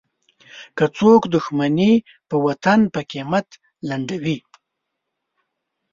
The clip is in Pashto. که څوک دوښمني په وطن په قیمت لنډوي.